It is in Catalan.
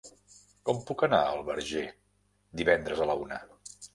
Com puc anar al Verger divendres a la una?